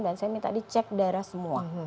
dan saya minta dicek darah semua